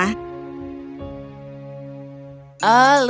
oh luar biasa ini adalah superhero favoritku